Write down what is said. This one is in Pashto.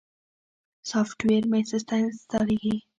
سافټویر مې سسته انستالېږي.